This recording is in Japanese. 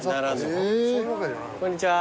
こんにちは。